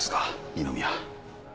二宮。